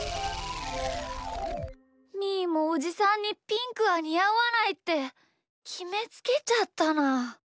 みーもおじさんにピンクはにあわないってきめつけちゃったな。